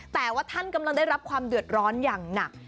แต่ว่าท่านกำลังได้รับความเดือดร้อนอย่างหนัก